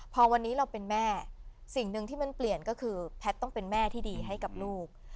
พอวันนี้เราเป็นแม่สิ่งหนึ่งที่มันเปลี่ยนก็คือแพทย์ต้องเป็นแม่ที่ดีให้กับลูก